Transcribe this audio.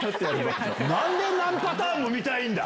なんで何パターンも見たいんだ。